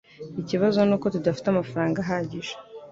Ikibazo nuko tudafite amafaranga ahagije